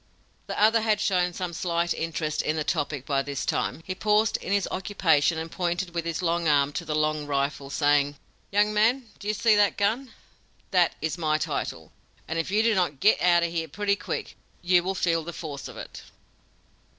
"The other had shown some slight interest in the topic by this time. He paused in his occupation and pointed with his long arm to the long rifle, saying: "'Young man, do you see that gun? That is my title, and if you do not git out o' hyar pretty quick, you will feel the force of it!'